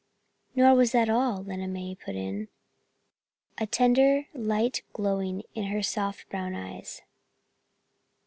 '" "Nor was that all," Lena May put in, a tender light glowing in her soft brown eyes.